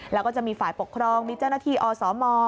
แล้วก็จะมีฝ่ายปกครองมีเจ้าหน้าที่อสม